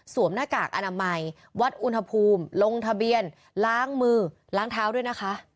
หน้ากากอนามัยวัดอุณหภูมิลงทะเบียนล้างมือล้างเท้าด้วยนะคะ